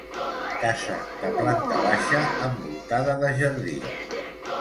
Casa de planta baixa envoltada de jardí.